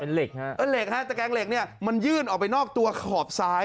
เหล็กฮะเออเหล็กฮะตะแกงเหล็กเนี่ยมันยื่นออกไปนอกตัวขอบซ้าย